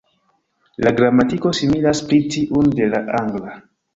La gramatiko similas pli tiun de la angla.